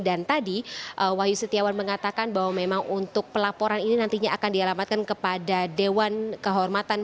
dan tadi wahyu setiawan mengatakan bahwa memang untuk pelaporan ini nantinya akan dialamatkan kepada dewan kehormatan